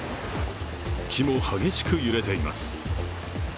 木も激しく揺れています。